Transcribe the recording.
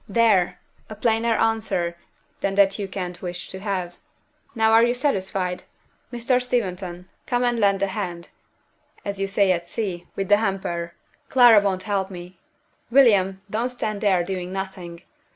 "There! a plainer answer than that you can't wish to have. Now are you satisfied? Mr. Steventon, come and lend a hand (as you say at sea) with the hamper Clara won't help me. William, don't stand there doing nothing.